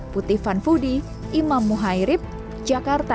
putih van voodie imam muhairib jakarta